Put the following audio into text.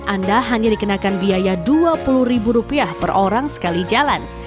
anda hanya dikenakan biaya rp dua puluh per orang sekali jalan